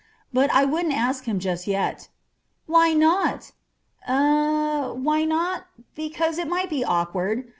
But I wouldn't ask him just yet." "Why not?" "Eh? Why not? Because it might be awkward.